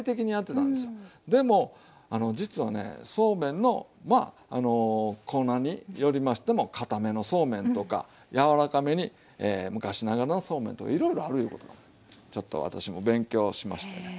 でも実はねそうめんのコーナーに寄りましてもかためのそうめんとか柔らかめに昔ながらのそうめんとかいろいろあるいうことがちょっと私も勉強しましてね。